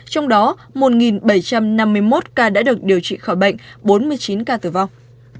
trong đó một bảy trăm năm mươi một ca đã được điều trị khỏi bệnh bốn mươi chín ca tử vong